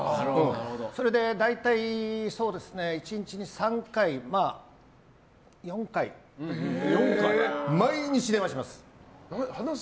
それで大体１日に３回、４回毎日電話します。